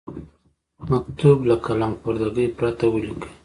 مکتوب له قلم خوردګۍ پرته ولیکئ.